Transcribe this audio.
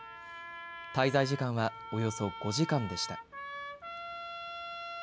滞在時間はおよそ５時間でした。